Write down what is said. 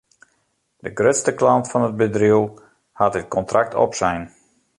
De grutste klant fan it bedriuw hat it kontrakt opsein.